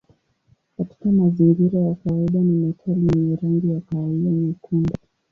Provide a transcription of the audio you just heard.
Katika mazingira ya kawaida ni metali yenye rangi ya kahawia nyekundu.